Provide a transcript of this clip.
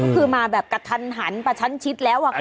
คือมาแบบกระทันหันกระชั้นชิดแล้ว